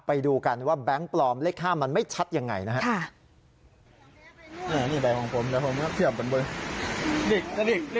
ไปดูกันว่าแบงค์ปลอมเลข๕มันไม่ชัดยังไงนะครับ